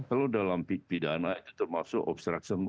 kalau dalam pidana itu termasuk obstruction